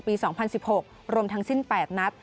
๒๐๑๖รวมทั้งสิ้น๘นัด